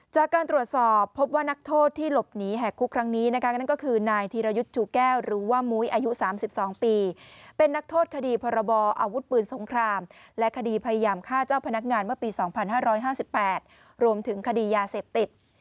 จากการตรวจสอบพบว่านักโทษที่หลบหนีแหกคุกครั้งนี้นะคะนั่นก็คือนายธีรยุทธ์จูแก้วหรือว่ามุ้ยอายุ๓๒ปีเป็นนักโทษคดีพรบออาวุธปืนสงครามและคดีพยายามฆ่าเจ้าพนักงานเมื่อปี๒๕๕๘รวมถึงคดียาเสพติด